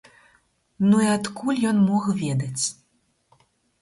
Ну і адкуль ён мог ведаць?